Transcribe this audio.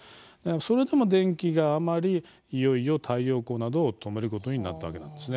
それでも電気が余りいよいよ太陽光などを止めることになったわけなんです。